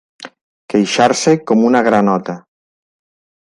Queixar-se com una granota.